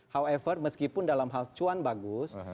however meskipun dalam hal cuan bagus